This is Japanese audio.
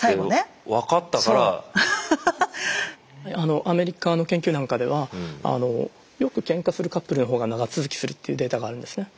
アメリカの研究なんかではよくケンカするカップルのほうが長続きするっていうデータがあるんですね。